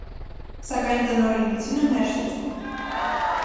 Սակայն տնօրինությունը մերժեց այն։